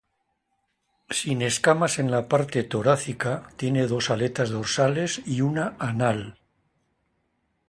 Sin escamas en la parte torácica, tiene dos aletas dorsales y una anal.